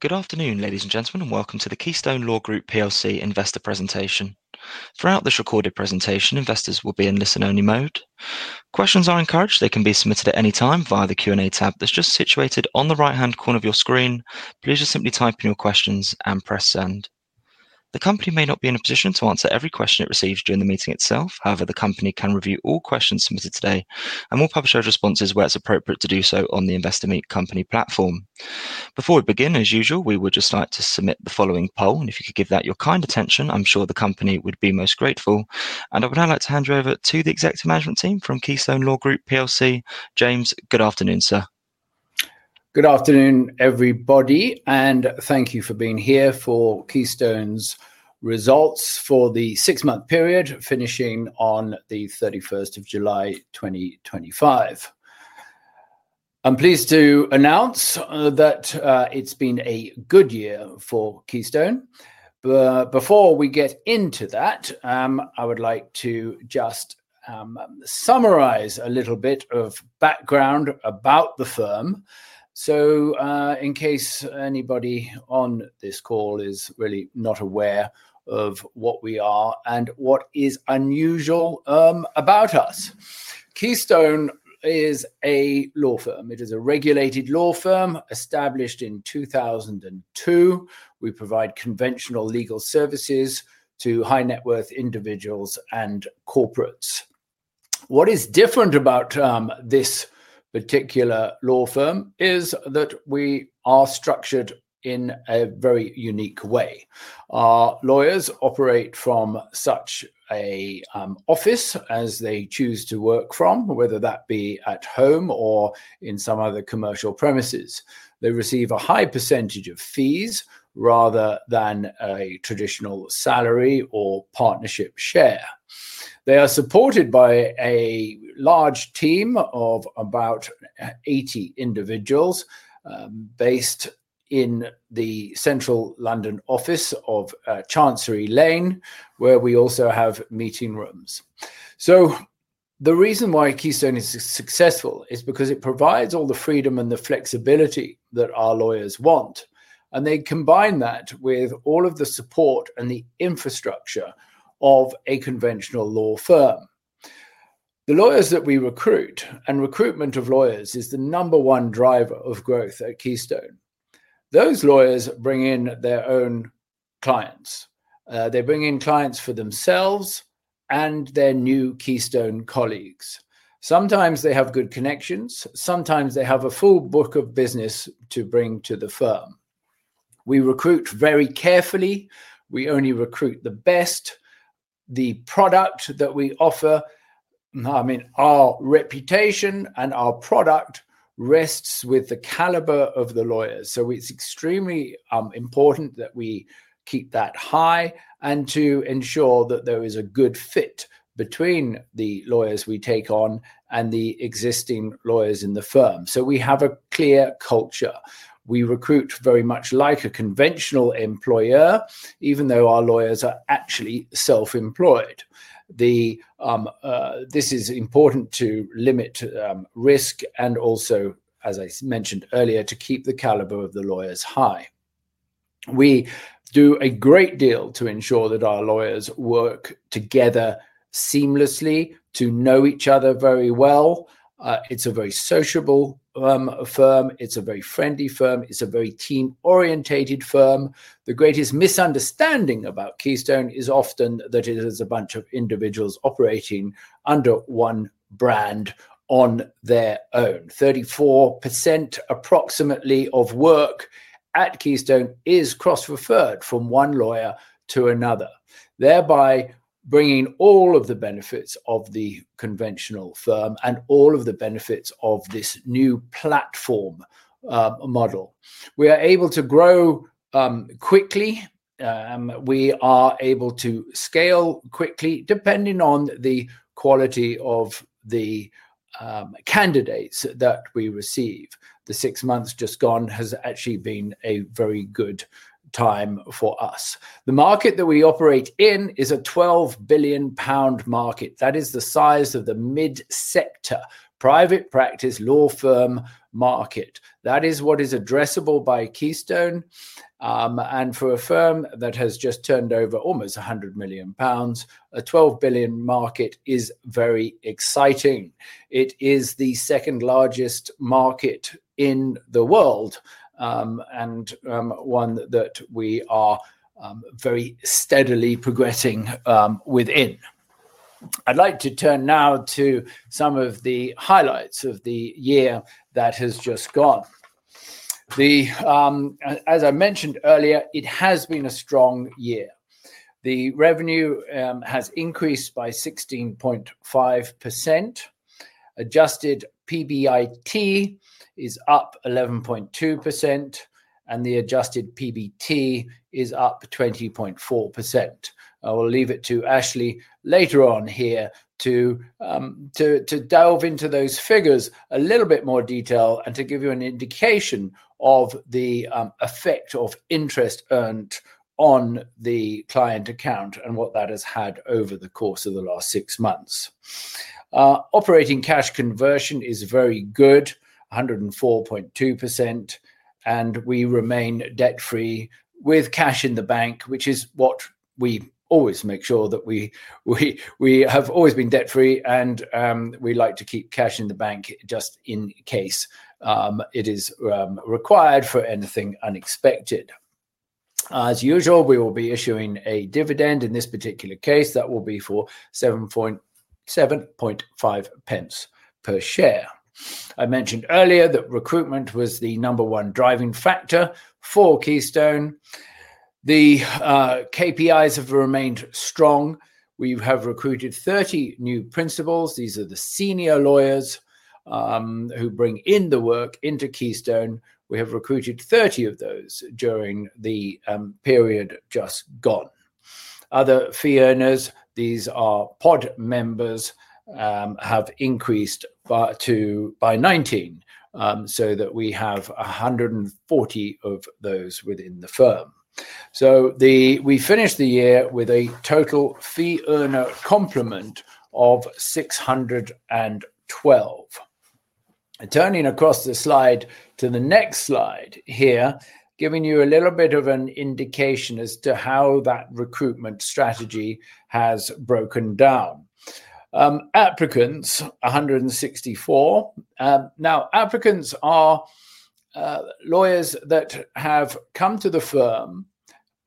Good afternoon, ladies and gentlemen, and welcome to the Keystone Law Group PLC investor presentation. Throughout this recorded presentation, investors will be in listen-only mode. Questions are encouraged; they can be submitted at any time via the Q&A tab that's just situated on the right-hand corner of your screen. Please just simply type in your questions and press send. The company may not be in a position to answer every question it receives during the meeting itself. However, the company can review all questions submitted today and will publish those responses where it's appropriate to do so on the Investor Meet Company platform. Before we begin, as usual, we would just like to submit the following poll, and if you could give that your kind attention, I'm sure the company would be most grateful. I would now like to hand you over to the executive management team from Keystone Law Group PLC. James, good afternoon, sir. Good afternoon, everybody, and thank you for being here for Keystone's results for the six-month period finishing on the 31st of July 2025. I'm pleased to announce that it's been a good year for Keystone. Before we get into that, I would like to just summarize a little bit of background about the firm. In case anybody on this call is really not aware of what we are and what is unusual about us, Keystone is a law firm. It is a regulated law firm established in 2002. We provide conventional legal services to high-net-worth individuals and corporates. What is different about this particular law firm is that we are structured in a very unique way. Our lawyers operate from such an office as they choose to work from, whether that be at home or in some other commercial premises. They receive a high percentage of fees rather than a traditional salary or partnership share. They are supported by a large team of about 80 individuals based in the central London office of Chancery Lane, where we also have meeting rooms. The reason why Keystone is successful is because it provides all the freedom and the flexibility that our lawyers want, and they combine that with all of the support and the infrastructure of a conventional law firm. The lawyers that we recruit, and recruitment of lawyers is the number one driver of growth at Keystone. Those lawyers bring in their own clients. They bring in clients for themselves and their new Keystone colleagues. Sometimes they have good connections, sometimes they have a full book of business to bring to the firm. We recruit very carefully. We only recruit the best. The product that we offer, I mean, our reputation and our product rest with the caliber of the lawyers. It's extremely important that we keep that high and to ensure that there is a good fit between the lawyers we take on and the existing lawyers in the firm. We have a clear culture. We recruit very much like a conventional employer, even though our lawyers are actually self-employed. This is important to limit risk and also, as I mentioned earlier, to keep the caliber of the lawyers high. We do a great deal to ensure that our lawyers work together seamlessly, to know each other very well. It's a very sociable firm. It's a very friendly firm. It's a very team-oriented firm. The greatest misunderstanding about Keystone is often that it is a bunch of individuals operating under one brand on their own. 34% approximately of work at Keystone is cross-referred from one lawyer to another, thereby bringing all of the benefits of the conventional firm and all of the benefits of this new platform model. We are able to grow quickly, and we are able to scale quickly depending on the quality of the candidates that we receive. The six months just gone has actually been a very good time for us. The market that we operate in is a £12 billion market. That is the size of the mid-sector private practice law firm market. That is what is addressable by Keystone. For a firm that has just turned over almost £100 million, a £12 billion market is very exciting. It is the second largest market in the world and one that we are very steadily progressing within. I'd like to turn now to some of the highlights of the year that has just gone. As I mentioned earlier, it has been a strong year. The revenue has increased by 16.5%. Adjusted PBIT is up 11.2%, and the adjusted PBT is up 20.4%. I will leave it to Ashley later on here to delve into those figures in a little bit more detail and to give you an indication of the effect of interest earned on the client account and what that has had over the course of the last six months. Operating cash conversion is very good, 104.2%, and we remain debt-free with cash in the bank, which is what we always make sure that we have. We have always been debt-free, and we like to keep cash in the bank just in case it is required for anything unexpected. As usual, we will be issuing a dividend. In this particular case, that will be for £0.075 per share. I mentioned earlier that recruitment was the number one driving factor for Keystone. The KPIs have remained strong. We have recruited 30 new principals. These are the senior lawyers who bring in the work into Keystone. We have recruited 30 of those during the period just gone. Other fee earners, these are pod members, have increased by 19 so that we have 140 of those within the firm. We finished the year with a total fee earner complement of 612. Turning across the slide to the next slide here, giving you a little bit of an indication as to how that recruitment strategy has broken down. Applicants, 164. Now, applicants are lawyers that have come to the firm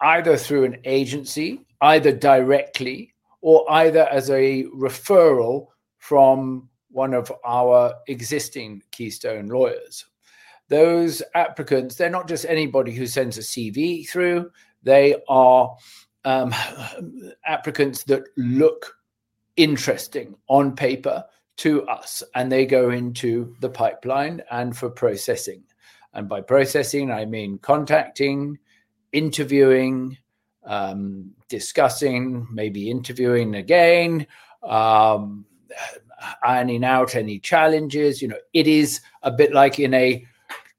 either through an agency, either directly, or either as a referral from one of our existing Keystone lawyers. Those applicants, they're not just anybody who sends a CV through. They are applicants that look interesting on paper to us, and they go into the pipeline for processing. By processing, I mean contacting, interviewing, discussing, maybe interviewing again, ironing out any challenges. It is a bit like in a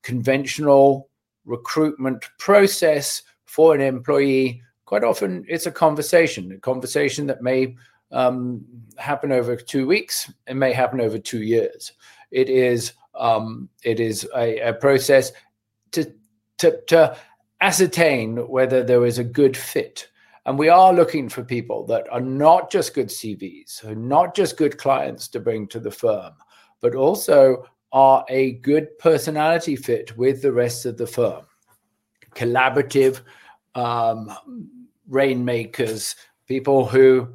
conventional recruitment process for an employee. Quite often, it's a conversation, a conversation that may happen over two weeks and may happen over two years. It is a process to ascertain whether there is a good fit. We are looking for people that are not just good CVs, not just good clients to bring to the firm, but also are a good personality fit with the rest of the firm. Collaborative rainmakers, people who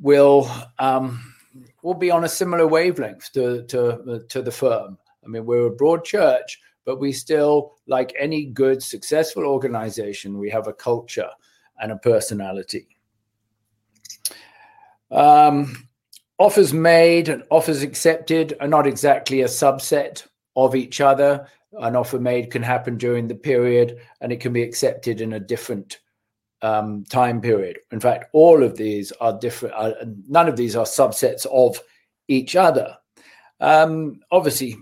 will be on a similar wavelength to the firm. I mean, we're a broad church, but we still, like any good successful organization, we have a culture and a personality. Offers made and offers accepted are not exactly a subset of each other. An offer made can happen during the period, and it can be accepted in a different time period. In fact, all of these are different. None of these are subsets of each other. Obviously,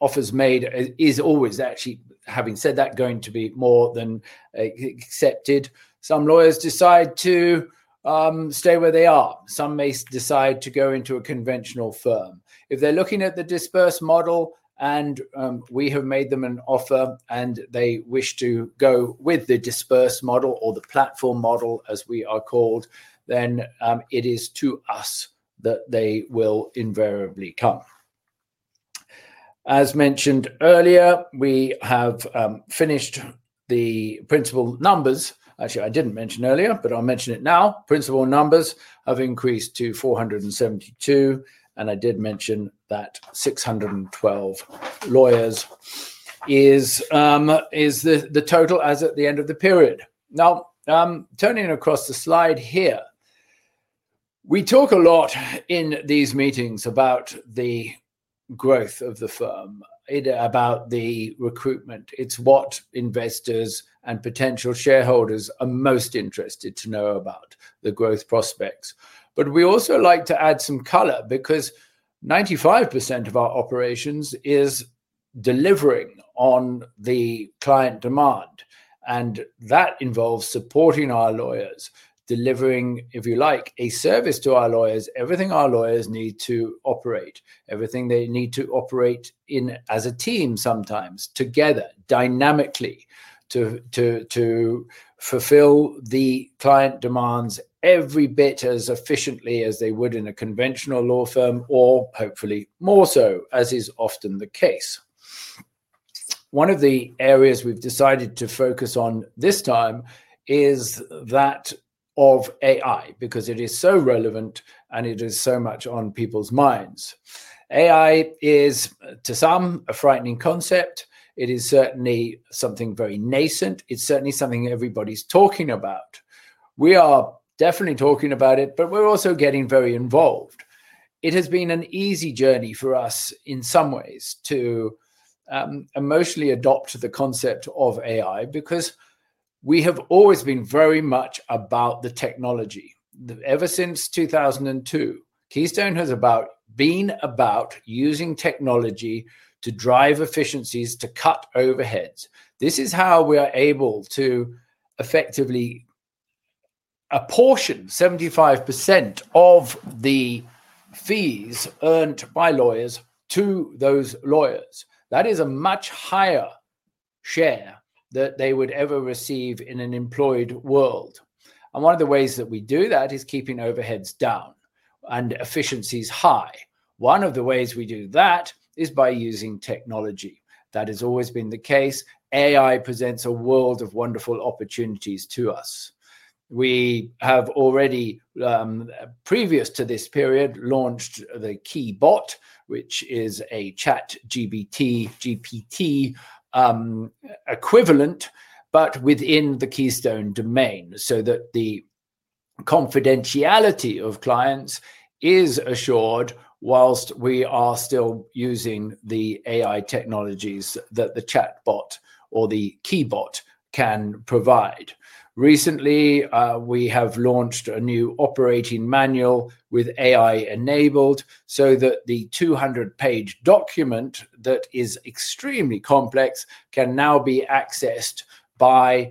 offers made are always actually, having said that, going to be more than accepted. Some lawyers decide to stay where they are. Some may decide to go into a conventional firm. If they're looking at the dispersed model and we have made them an offer and they wish to go with the dispersed model or the platform model, as we are called, it is to us that they will invariably come. As mentioned earlier, we have finished the principal numbers. Actually, I didn't mention earlier, but I'll mention it now. Principal numbers have increased to 472, and I did mention that 612 lawyers is the total as at the end of the period. Now, turning across the slide here, we talk a lot in these meetings about the growth of the firm, about the recruitment. It's what investors and potential shareholders are most interested to know about, the growth prospects. We also like to add some color because 95% of our operations is delivering on the client demand, and that involves supporting our lawyers, delivering, if you like, a service to our lawyers, everything our lawyers need to operate, everything they need to operate in as a team, sometimes together, dynamically, to fulfill the client demands every bit as efficiently as they would in a conventional law firm, or hopefully more so, as is often the case. One of the areas we've decided to focus on this time is that of AI because it is so relevant and it is so much on people's minds. AI is, to some, a frightening concept. It is certainly something very nascent. It's certainly something everybody's talking about. We are definitely talking about it, but we're also getting very involved. It has been an easy journey for us in some ways to emotionally adopt the concept of AI because we have always been very much about the technology. Ever since 2002, Keystone has been about using technology to drive efficiencies, to cut overheads. This is how we are able to effectively apportion 75% of the fees earned by lawyers to those lawyers. That is a much higher share than they would ever receive in an employed world. One of the ways that we do that is keeping overheads down and efficiencies high. One of the ways we do that is by using technology. That has always been the case. AI presents a world of wonderful opportunities to us. We have already, previous to this period, launched the KeyBot, which is a ChatGPT equivalent, but within the Keystone domain so that the confidentiality of clients is assured whilst we are still using the AI technologies that the ChatBot or the KeyBot can provide. Recently, we have launched a new operating manual with AI enabled so that the 200-page document that is extremely complex can now be accessed by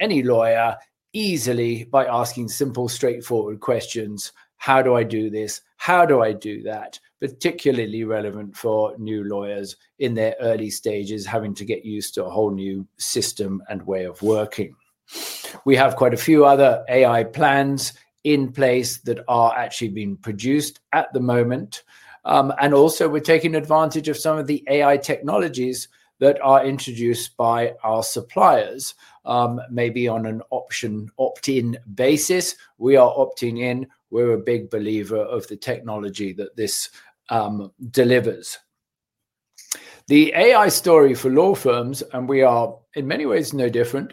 any lawyer easily by asking simple, straightforward questions. How do I do this? How do I do that? Particularly relevant for new lawyers in their early stages, having to get used to a whole new system and way of working. We have quite a few other AI plans in place that are actually being produced at the moment. Also, we're taking advantage of some of the AI technologies that are introduced by our suppliers, maybe on an opt-in basis. We are opting in. We're a big believer of the technology that this delivers. The AI story for law firms, and we are in many ways no different,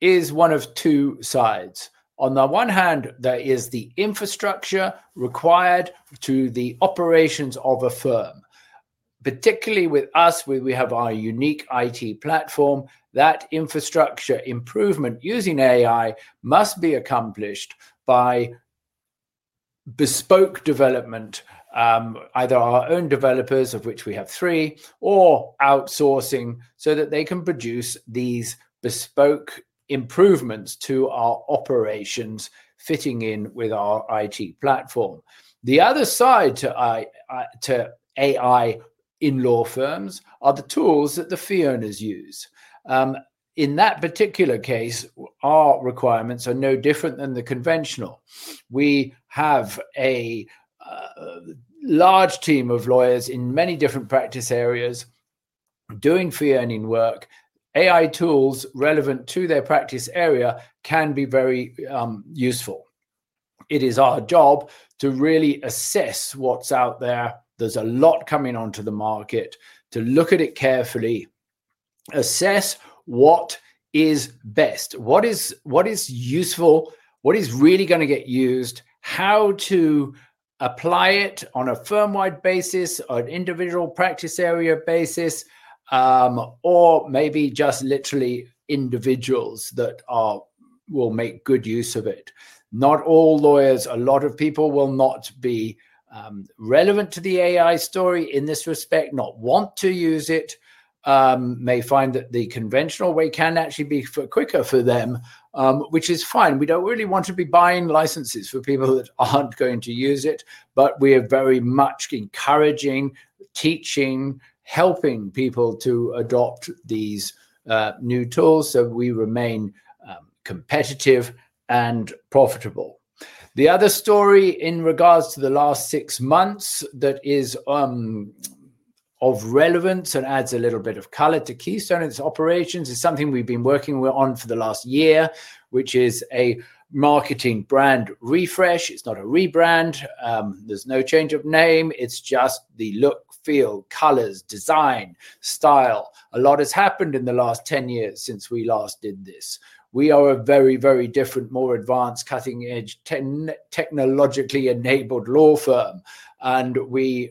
is one of two sides. On the one hand, there is the infrastructure required to the operations of a firm. Particularly with us, where we have our unique IT platform, that infrastructure improvement using AI must be accomplished by bespoke development, either our own developers, of which we have three, or outsourcing so that they can produce these bespoke improvements to our operations fitting in with our IT platform. The other side to AI in law firms are the tools that the fee earners use. In that particular case, our requirements are no different than the conventional. We have a large team of lawyers in many different practice areas doing fee earning work. AI tools relevant to their practice area can be very useful. It is our job to really assess what's out there. There's a lot coming onto the market, to look at it carefully, assess what is best, what is useful, what is really going to get used, how to apply it on a firm-wide basis, on an individual practice area basis, or maybe just literally individuals that will make good use of it. Not all lawyers, a lot of people will not be relevant to the AI story in this respect, not want to use it, may find that the conventional way can actually be quicker for them, which is fine. We don't really want to be buying licenses for people that aren't going to use it, but we are very much encouraging, teaching, helping people to adopt these new tools so we remain competitive and profitable. The other story in regards to the last six months that is of relevance and adds a little bit of color to Keystone Law Group and its operations is something we've been working on for the last year, which is a marketing brand refresh. It's not a rebrand. There's no change of name. It's just the look, feel, colors, design, style. A lot has happened in the last 10 years since we last did this. We are a very, very different, more advanced, cutting-edge, technologically enabled law firm. During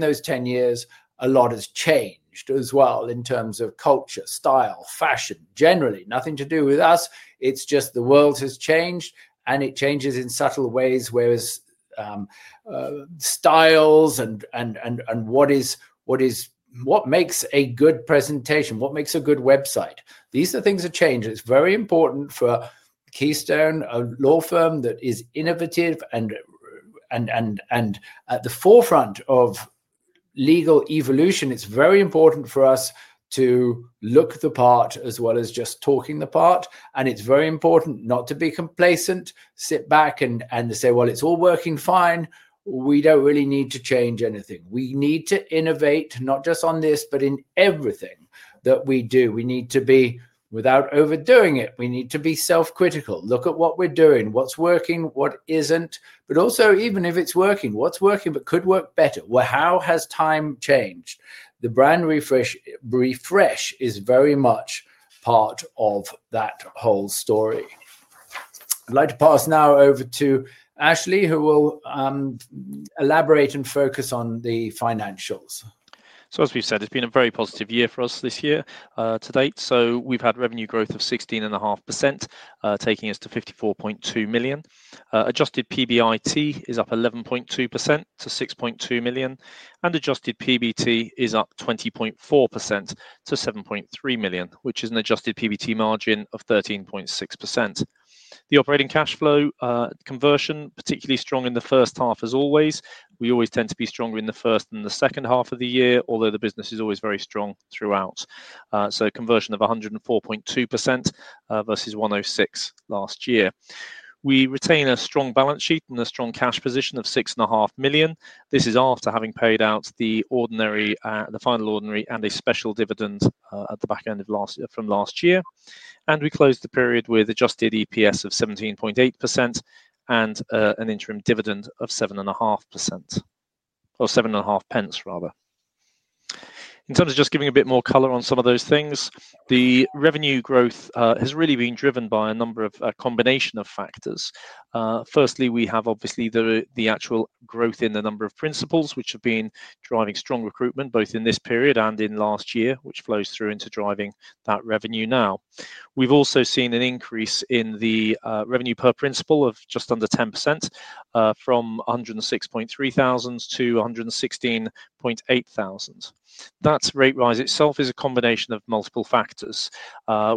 those 10 years, a lot has changed as well in terms of culture, style, fashion. Generally, nothing to do with us. It's just the world has changed, and it changes in subtle ways, whereas styles and what makes a good presentation, what makes a good website, these are things that change. It's very important for Keystone Law Group, a law firm that is innovative and at the forefront of legal evolution. It's very important for us to look the part as well as just talking the part. It's very important not to be complacent, sit back and say, "It's all working fine." We don't really need to change anything. We need to innovate not just on this, but in everything that we do. We need to be, without overdoing it, we need to be self-critical. Look at what we're doing, what's working, what isn't, but also even if it's working, what's working but could work better? How has time changed? The brand refresh is very much part of that whole story. I'd like to pass now over to Ashley, who will elaborate and focus on the financials. As we've said, it's been a very positive year for us this year to date. We've had revenue growth of 16.5%, taking us to £54.2 million. Adjusted PBIT is up 11.2% to £6.2 million, and adjusted PBT is up 20.4% to £7.3 million, which is an adjusted PBT margin of 13.6%. The operating cash flow conversion, particularly strong in the first half, as always. We always tend to be stronger in the first than the second half of the year, although the business is always very strong throughout. A conversion of 104.2% versus 106% last year. We retain a strong balance sheet and a strong cash position of £6.5 million. This is after having paid out the ordinary, the final ordinary, and a special dividend at the back end of last year. We closed the period with adjusted EPS of 17.8p and an interim dividend of 7.5p. In terms of just giving a bit more color on some of those things, the revenue growth has really been driven by a combination of factors. Firstly, we have the actual growth in the number of principals, which have been driving strong recruitment both in this period and in last year, which flows through into driving that revenue now. We've also seen an increase in the revenue per principal of just under 10%, from £106,300 to £116,800. That rate rise itself is a combination of multiple factors. As a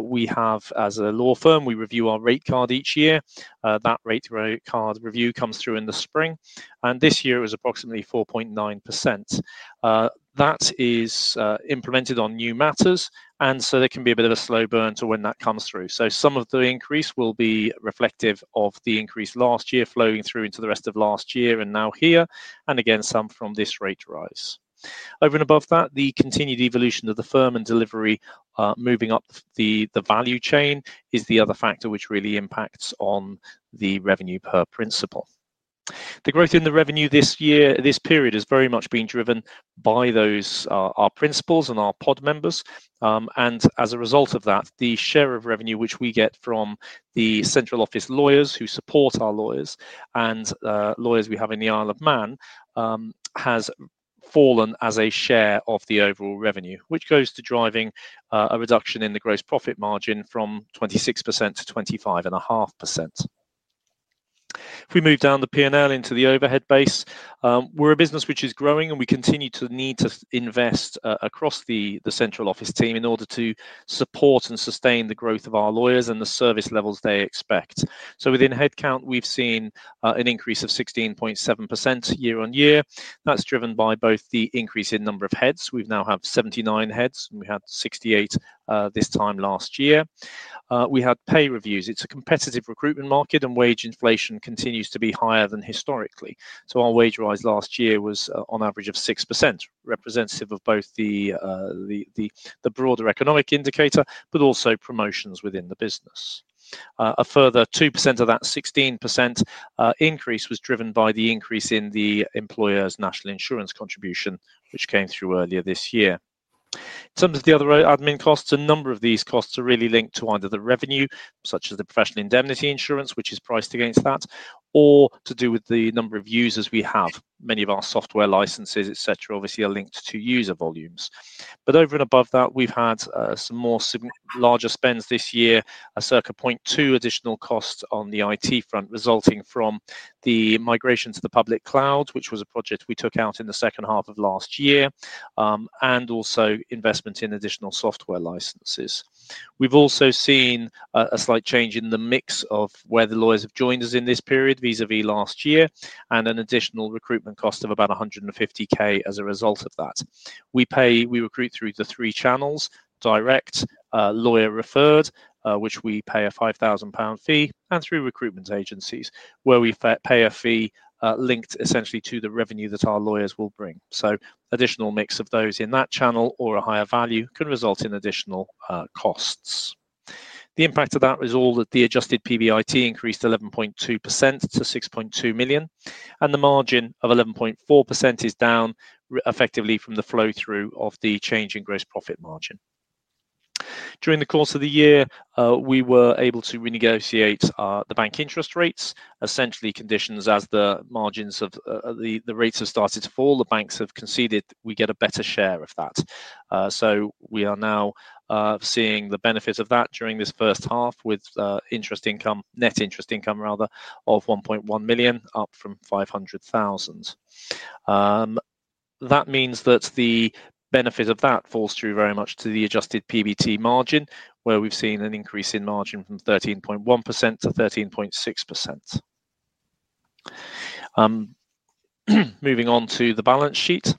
law firm, we review our rate card each year. That rate card review comes through in the spring, and this year it was approximately 4.9%. That is implemented on new matters, and there can be a bit of a slow burn to when that comes through. Some of the increase will be reflective of the increase last year flowing through into the rest of last year and now here, and again, some from this rate rise. Over and above that, the continued evolution of the firm and delivery moving up the value chain is the other factor which really impacts on the revenue per principal. The growth in the revenue this year, this period, has very much been driven by our principals and our pod members. As a result of that, the share of revenue which we get from the central office lawyers who support our lawyers and lawyers we have in the Isle of Man has fallen as a share of the overall revenue, which goes to driving a reduction in the gross profit margin from 26% to 25.5%. If we move down the P&L into the overhead base, we're a business which is growing, and we continue to need to invest across the central office team in order to support and sustain the growth of our lawyers and the service levels they expect. Within headcount, we've seen an increase of 16.7% year on year. That's driven by both the increase in number of heads. We've now had 79 heads. We had 68 this time last year. We had pay reviews. It's a competitive recruitment market, and wage inflation continues to be higher than historically. Our wage rise last year was on average 6%, representative of both the broader economic indicator, but also promotions within the business. A further 2% of that 16% increase was driven by the increase in the employer's national insurance contribution, which came through earlier this year. In terms of the other admin costs, a number of these costs are really linked to either the revenue, such as the professional indemnity insurance, which is priced against that, or to do with the number of users we have. Many of our software licenses, etc., obviously are linked to user volumes. Over and above that, we've had some more larger spends this year, a circa £0.2 million additional cost on the IT infrastructure front, resulting from the migration to the public cloud, which was a project we took out in the second half of last year, and also investment in additional software licenses. We've also seen a slight change in the mix of where the lawyers have joined us in this period, vis-à-vis last year, and an additional recruitment cost of about £150,000 as a result of that. We recruit through the three channels: direct, lawyer-referred, which we pay a £5,000 fee, and through recruitment agencies, where we pay a fee linked essentially to the revenue that our lawyers will bring. An additional mix of those in that channel or a higher value could result in additional costs. The impact of that is all that the adjusted PBIT increased 11.2% to £6.2 million, and the margin of 11.4% is down effectively from the flow-through of the change in gross profit margin. During the course of the year, we were able to renegotiate the bank interest rates, essentially conditions as the margins of the rates have started to fall. The banks have conceded we get a better share of that. We are now seeing the benefit of that during this first half with net interest income of £1.1 million, up from £500,000. That means that the benefit of that falls through very much to the adjusted PBT margin, where we've seen an increase in margin from 13.1% to 13.6%. Moving on to the balance sheet.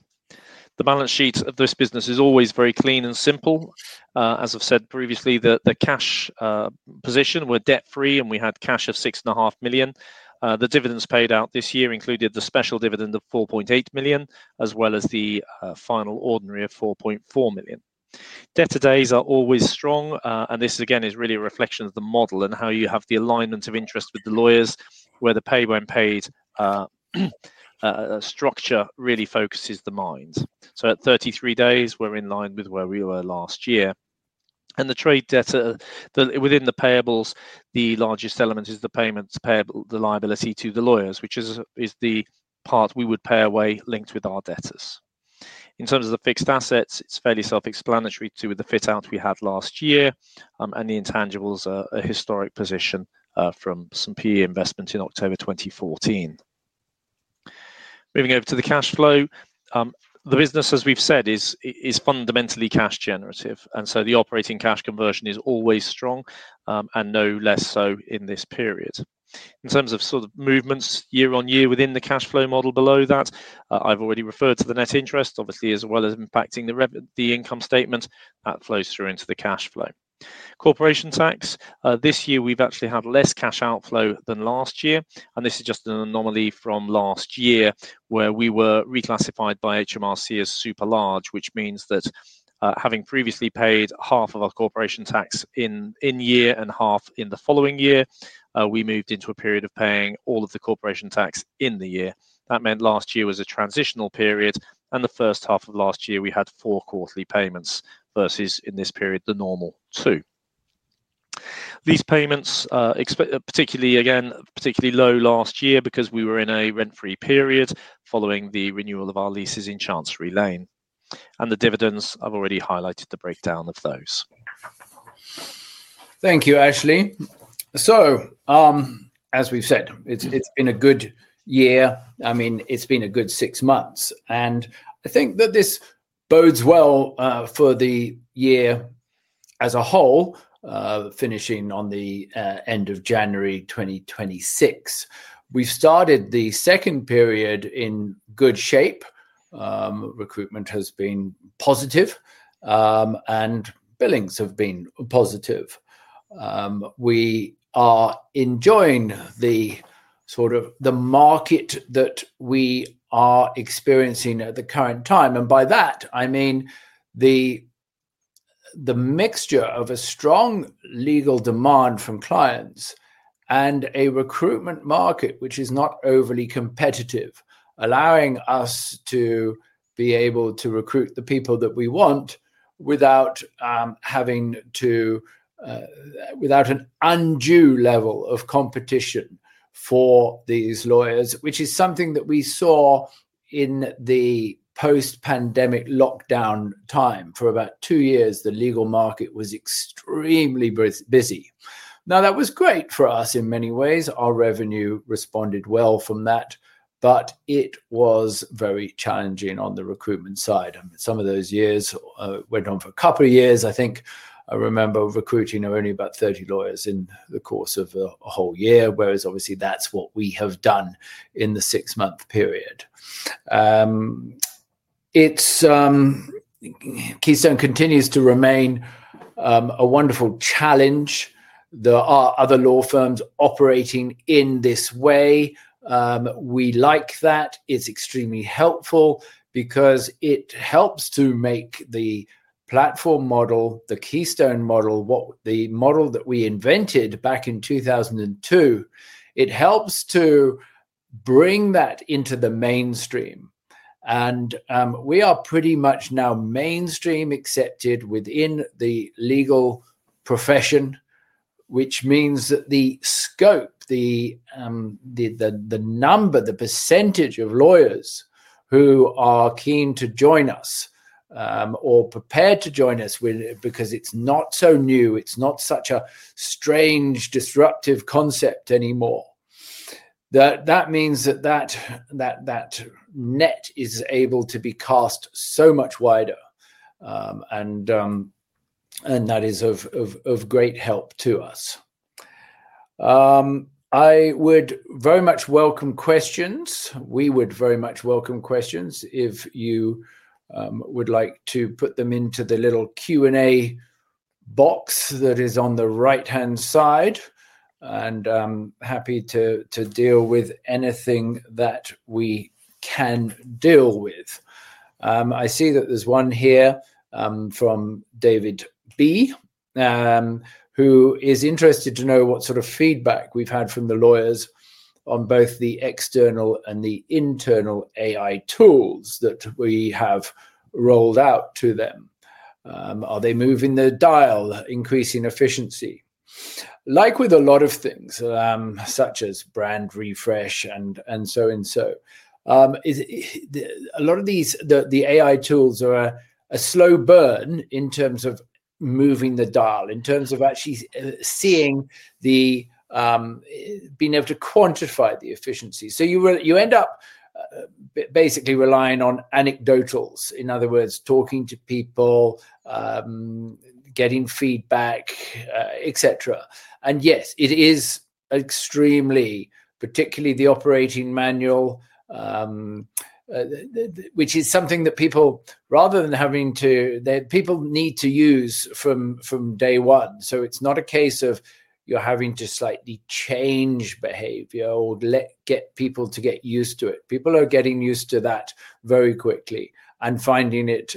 The balance sheet of this business is always very clean and simple. As I've said previously, the cash position, we're debt-free, and we had cash of £6.5 million. The dividends paid out this year included the special dividend of £4.8 million, as well as the final ordinary of £4.4 million. Debtor days are always strong, and this again is really a reflection of the model and how you have the alignment of interest with the lawyers, where the pay when paid structure really focuses the mind. At 33 days, we're in line with where we were last year. The trade debt within the payables, the largest element is the payments, payable liability to the lawyers, which is the part we would pay away linked with our debtors. In terms of the fixed assets, it's fairly self-explanatory to the fit-out we had last year, and the intangibles are a historic position from some peer investment in October 2014. Moving over to the cash flow, the business, as we've said, is fundamentally cash generative, and the operating cash conversion is always strong and no less so in this period. In terms of sort of movements year on year within the cash flow model below that, I've already referred to the net interest, obviously, as well as impacting the income statement. That flows through into the cash flow. Corporation tax, this year we've actually had less cash outflow than last year, and this is just an anomaly from last year where we were reclassified by HMRC as super large, which means that having previously paid half of our corporation tax in year and half in the following year, we moved into a period of paying all of the corporation tax in the year. That meant last year was a transitional period, and the first half of last year we had four quarterly payments versus in this period the normal two. These payments are particularly, again, particularly low last year because we were in a rent-free period following the renewal of our leases in Chancery Lane, London. The dividends, I've already highlighted the breakdown of those. Thank you, Ashley. As we've said, it's been a good year. I mean, it's been a good six months, and I think that this bodes well for the year as a whole, finishing on the end of January 2026. We've started the second period in good shape. Recruitment has been positive, and billings have been positive. We are enjoying the sort of market that we are experiencing at the current time, and by that, I mean the mixture of a strong legal demand from clients and a recruitment market which is not overly competitive, allowing us to be able to recruit the people that we want without an undue level of competition for these lawyers, which is something that we saw in the post-pandemic lockdown time. For about two years, the legal market was extremely busy. That was great for us in many ways. Our revenue responded well from that, but it was very challenging on the recruitment side. Some of those years went on for a couple of years. I think I remember recruiting only about 30 lawyers in the course of a whole year, whereas obviously that's what we have done in the six-month period. Keystone continues to remain a wonderful challenge. There are other law firms operating in this way. We like that. It's extremely helpful because it helps to make the platform model, the Keystone model, the model that we invented back in 2002. It helps to bring that into the mainstream, and we are pretty much now mainstream accepted within the legal profession, which means that the scope, the number, the % of lawyers who are keen to join us or prepared to join us because it's not so new, it's not such a strange, disruptive concept anymore. That means that net is able to be cast so much wider, and that is of great help to us. I would very much welcome questions. We would very much welcome questions if you would like to put them into the little Q&A box that is on the right-hand side, and I'm happy to deal with anything that we can deal with. I see that there's one here from David B, who is interested to know what sort of feedback we've had from the lawyers on both the external and the internal AI tools that we have rolled out to them. Are they moving the dial, increasing efficiency? Like with a lot of things, such as brand refresh and so on, a lot of these, the AI tools are a slow burn in terms of moving the dial, in terms of actually seeing, being able to quantify the efficiency. You end up basically relying on anecdotals, in other words, talking to people, getting feedback, etc. Yes, it is extremely, particularly the AI-enabled operating manual, which is something that people, rather than having to, people need to use from day one. It's not a case of you're having to slightly change behavior or get people to get used to it. People are getting used to that very quickly and finding it,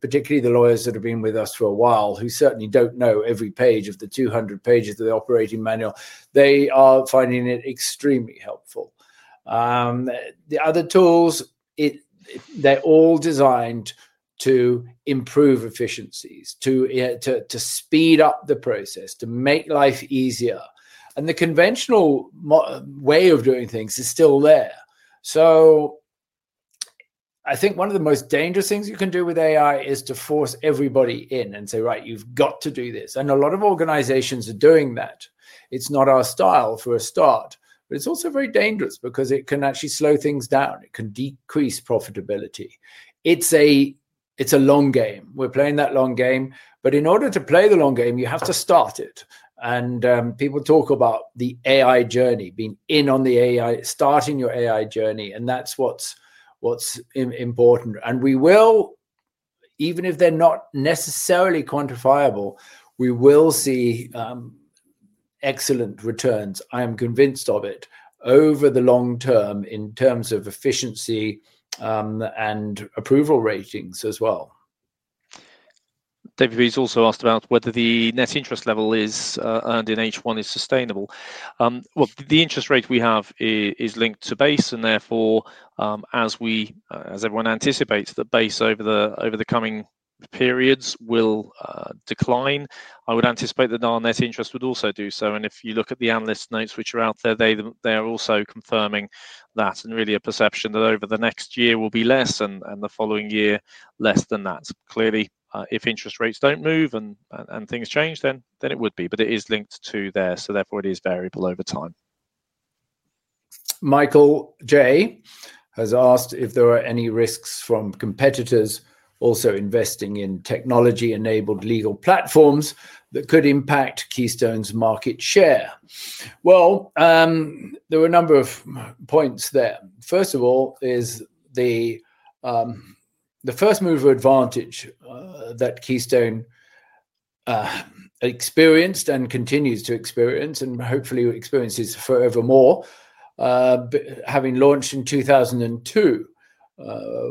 particularly the lawyers that have been with us for a while, who certainly don't know every page of the 200 pages of the operating manual, they are finding it extremely helpful. The other tools, they're all designed to improve efficiencies, to speed up the process, to make life easier. The conventional way of doing things is still there. I think one of the most dangerous things you can do with AI is to force everybody in and say, "Right, you've got to do this." A lot of organizations are doing that. It's not our style for a start, but it's also very dangerous because it can actually slow things down. It can decrease profitability. It's a long game. We're playing that long game, but in order to play the long game, you have to start it. People talk about the AI journey, being in on the AI, starting your AI journey, and that's what's important. We will, even if they're not necessarily quantifiable, we will see excellent returns. I am convinced of it over the long term in terms of efficiency and approval ratings as well. David B has also asked about whether the net interest level earned in H1 is sustainable. The interest rate we have is linked to base, and therefore, as everyone anticipates that base over the coming periods will decline, I would anticipate that our net interest would also do so. If you look at the analyst notes which are out there, they are also confirming that and really a perception that over the next year will be less and the following year less than that. Clearly, if interest rates don't move and things change, then it would be, but it is linked to there, so that is variable over time. Michael J has asked if there are any risks from competitors also investing in technology-enabled legal platforms that could impact Keystone's market share. There are a number of points there. First of all, there is the first mover advantage that Keystone experienced and continues to experience and hopefully experiences forever more. Having launched in 2002,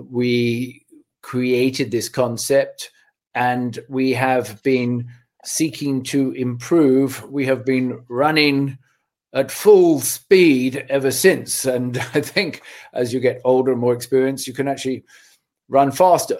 we created this concept and we have been seeking to improve. We have been running at full speed ever since. I think as you get older, more experienced, you can actually run faster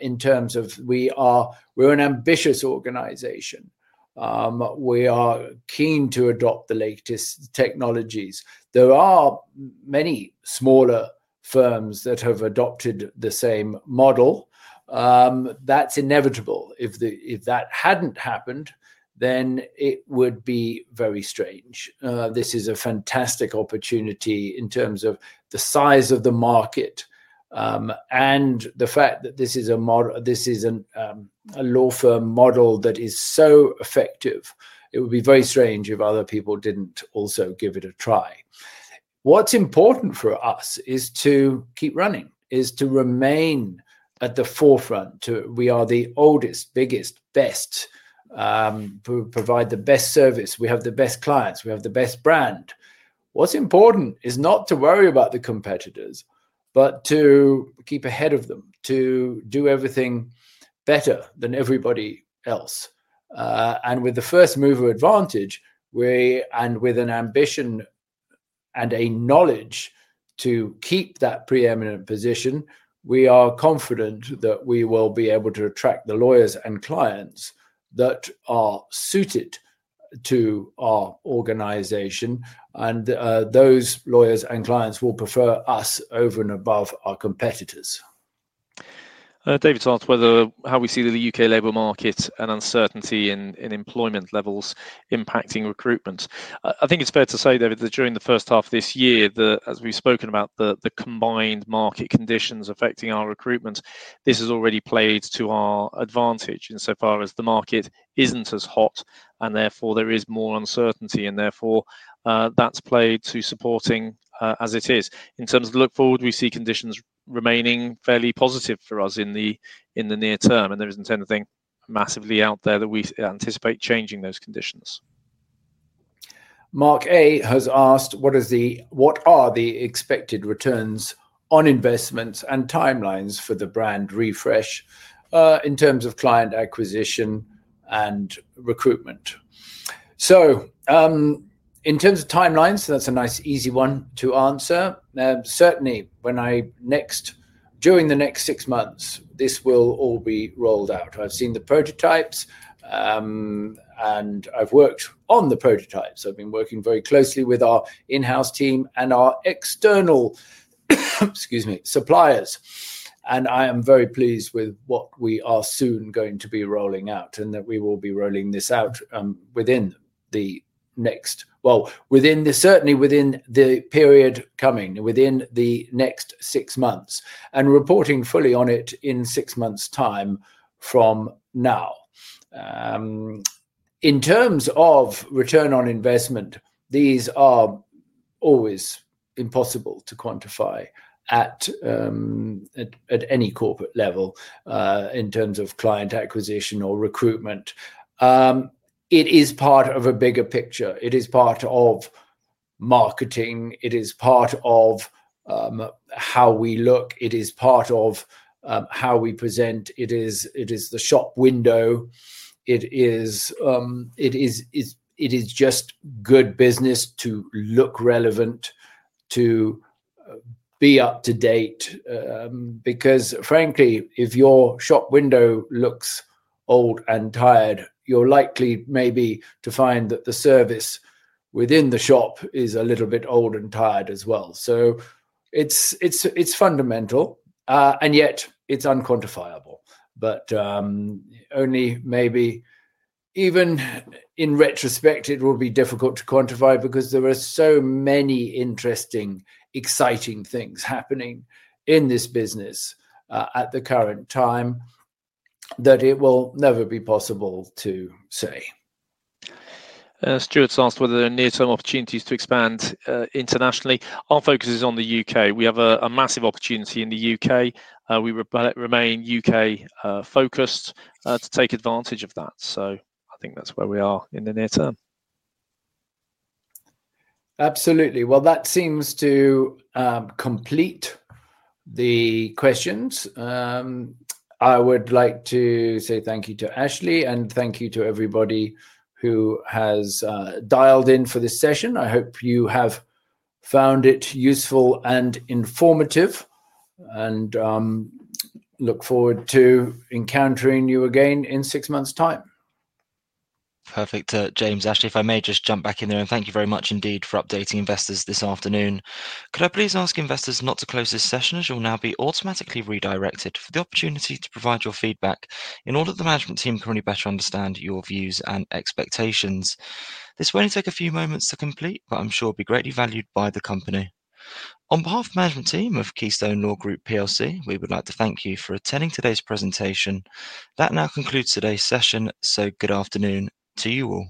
in terms of we are an ambitious organization. We are keen to adopt the latest technologies. There are many smaller firms that have adopted the same model. That's inevitable. If that hadn't happened, then it would be very strange. This is a fantastic opportunity in terms of the size of the market and the fact that this is a law firm model that is so effective. It would be very strange if other people didn't also give it a try. What's important for us is to keep running, to remain at the forefront. We are the oldest, biggest, best. We provide the best service. We have the best clients. We have the best brand. What's important is not to worry about the competitors, but to keep ahead of them, to do everything better than everybody else. With the first mover advantage and with an ambition and a knowledge to keep that preeminent position, we are confident that we will be able to attract the lawyers and clients that are suited to our organization, and those lawyers and clients will prefer us over and above our competitors. David's asked whether how we see the UK labor market and uncertainty in employment levels impacting recruitment. I think it's fair to say that during the first half of this year, as we've spoken about the combined market conditions affecting our recruitment, this has already played to our advantage insofar as the market isn't as hot, and therefore there is more uncertainty, and therefore that's played to supporting as it is. In terms of the look forward, we see conditions remaining fairly positive for us in the near term, and there isn't anything massively out there that we anticipate changing those conditions. Mark A has asked, what are the expected returns on investments and timelines for the brand refresh in terms of client acquisition and recruitment? In terms of timelines, that's a nice easy one to answer. Certainly, during the next six months, this will all be rolled out. I've seen the prototypes, and I've worked on the prototypes. I've been working very closely with our in-house team and our external suppliers, and I am very pleased with what we are soon going to be rolling out and that we will be rolling this out within the next, certainly within the period coming, within the next six months, and reporting fully on it in six months' time from now. In terms of return on investment, these are always impossible to quantify at any corporate level in terms of client acquisition or recruitment. It is part of a bigger picture. It is part of marketing. It is part of how we look. It is part of how we present. It is the shop window. It is just good business to look relevant, to be up to date, because frankly, if your shop window looks old and tired, you're likely maybe to find that the service within the shop is a little bit old and tired as well. It's fundamental, and yet it's unquantifiable. Only maybe even in retrospect, it will be difficult to quantify because there are so many interesting, exciting things happening in this business at the current time that it will never be possible to say. Stuart's asked whether there are near-term opportunities to expand internationally. Our focus is on the UK. We have a massive opportunity in the UK, and we remain UK-focused to take advantage of that. I think that's where we are in the near term. Absolutely. That seems to complete the questions. I would like to say thank you to Ashley and thank you to everybody who has dialed in for this session. I hope you have found it useful and informative, and look forward to encountering you again in six months' time. Perfect. James, Ashley, if I may just jump back in there, and thank you very much indeed for updating investors this afternoon. Could I please ask investors not to close this session as you'll now be automatically redirected for the opportunity to provide your feedback in order that the management team can only better understand your views and expectations. This will only take a few moments to complete, but I'm sure it'll be greatly valued by the company. On behalf of the management team of Keystone Law Group PLC, we would like to thank you for attending today's presentation. That now concludes today's session. Good afternoon to you all.